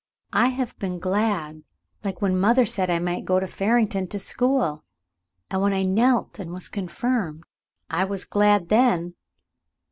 I have been glad, like when mother said I might go to Farington to school ; and when I knelt and was confirmed, I was glad then.